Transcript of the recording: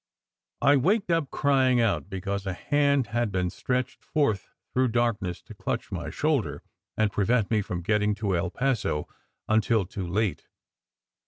I waked up cry ing out, because a hand had been stretched forth through darkness to clutch my shoulder, and prevent me from get ting to El Paso until too late.